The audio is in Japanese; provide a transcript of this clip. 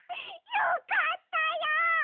よかったよ！